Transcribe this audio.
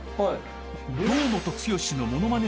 ［堂本剛のものまね